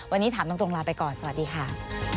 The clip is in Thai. วันนี้ถามตรงลาไปก่อนสวัสดีค่ะ